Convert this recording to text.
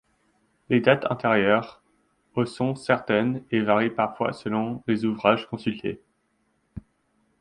Les dates antérieures au sont incertaines et varient parfois selon les ouvrages consultés.